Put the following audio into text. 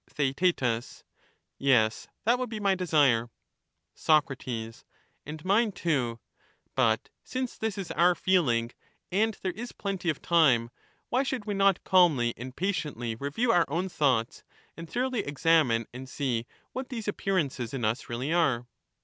Theaet Yes, that would be my desire. Sac. And mine too. But since this is our feeling, and Three there is plenty of time, why should we not calmly ^"^d Jho*^ht_ 155 patiently review our own thoughts, and thoroughly examine (i)Nothing. and see what these appearances in us really are?